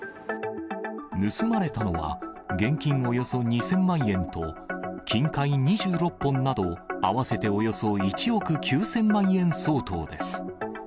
盗まれたのは、現金およそ２０００万円と、金塊２６本など、合わせておよそ１億９０００万円相当です。